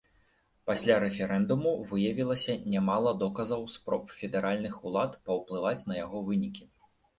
Пасля рэферэндуму выявілася нямала доказаў спроб федэральных улад паўплываць на яго вынікі.